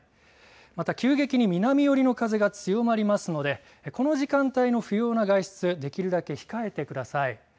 また急激に南寄りの風が強まりますのでこの時間帯の不要な外出、できるだけ控えてください。